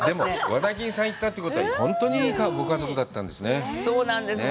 和田金さんに行ったってことは、本当にいいご家族だったんですね。